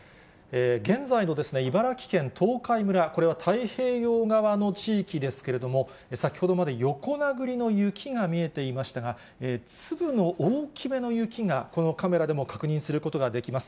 現在の茨城県東海村、これは太平洋側の地域ですけれども、先ほどまで横殴りの雪が見えていましたが、粒の大きめの雪が、このカメラでも確認することができます。